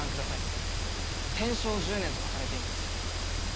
天正１０年と書かれています。